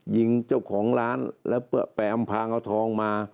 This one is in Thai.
ยิงเจ้าของร้านแล้วไปอำพางเอาทองมา